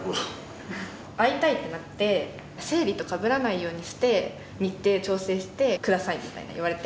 会いたいってなって生理とかぶらないようにして日程調整して下さいみたいに言われて。